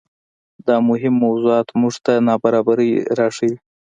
دا مهم موضوعات موږ ته نابرابرۍ راښيي.